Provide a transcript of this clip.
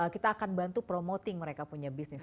kita akan bantu promoting mereka punya bisnis